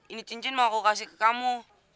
ini cincin mau aku kasih ke kamu